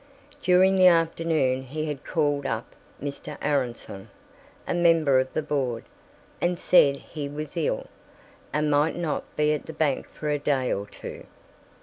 During the afternoon he had called up Mr. Aronson, a member of the board, and said he was ill, and might not be at the bank for a day or two.